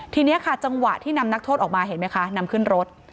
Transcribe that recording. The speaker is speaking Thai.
ทีนี้ค่ะจังหวะที่นำนักโทษออกมาเห็นไหมคะนำขึ้นรถ